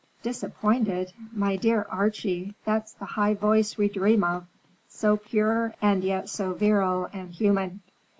"Disappointed? My dear Archie, that's the high voice we dream of; so pure and yet so virile and human.